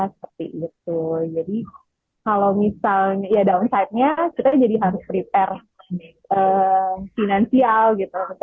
seperti itu jadi kalau misalnya ya downside nya kita jadi harus prepare finansial gitu